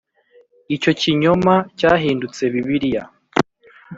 icyo kinyoma cyahindutse bibiliya